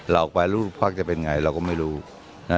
ลาออกไปรู้ภาพจะเป็นยังไงเราก็ไม่รู้นะ